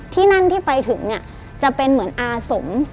ที่นั่นที่ไปถึงเนี่ยจะเป็นเหมือนอาสม